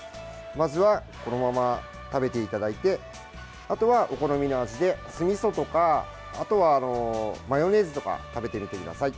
まずはこのまま食べていただいてあとはお好みの味で酢みそとかあとはマヨネーズとかで食べてみてください。